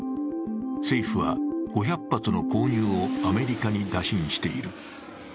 政府は５００発の購入をアメリカに打診している。